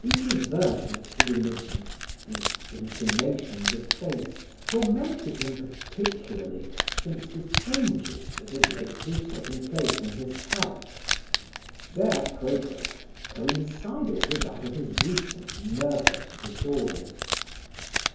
These reversions to religion, these intimations of faith tormented him particularly since the changes that had lately taken place in his health. Their progress coincided with that of his recent nervous disorders.